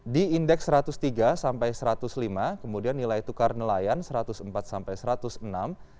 di indeks satu ratus tiga sampai satu ratus lima kemudian nilai tukar nelayan rp satu ratus empat sampai rp satu ratus enam